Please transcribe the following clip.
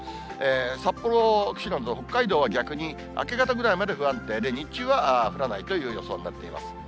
札幌、釧路など北海道は逆に明け方ぐらいまで不安定で、日中は降らないという予想になっています。